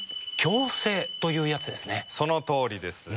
そのとおりです。